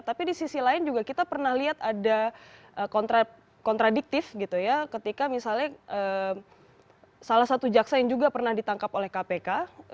tapi di sisi lain juga kita pernah lihat ada kontradiktif gitu ya ketika misalnya salah satu jaksa yang juga pernah ditangkap oleh kpk